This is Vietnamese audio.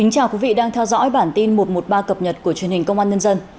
chào mừng quý vị đến với bản tin một trăm một mươi ba cập nhật của truyền hình công an nhân dân